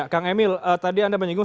kang emil tadi anda menyinggung